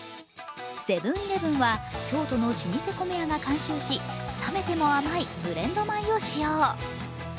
セブン−イレブンは京都の老舗米屋が監修し冷めても甘いブレンド米を使用。